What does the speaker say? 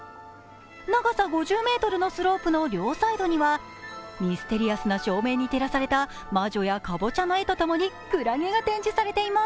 長さ５０ｍのスロープの両サイドにはミステリアスな照明に照らされた魔女やクラゲが展示されています。